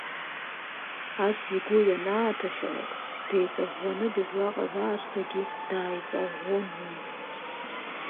Ас игәы ианааҭашәалак, деиҵаӷәӷәаны дызлаҟаз аасҭагьы дааиҵаӷәӷәон уи.